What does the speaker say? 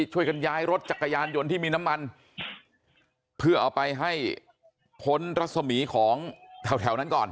ช่วยกันย้ายรถจักรยานยนต์ที่มีน้ำมันเพื่อเอาไปให้พ้นรัศมีของแถวนั้นก่อน